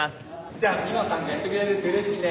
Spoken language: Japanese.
じゃあニノさんがやってくれるってうれしいね。